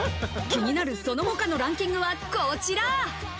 気になる、その他のランキングはこちら。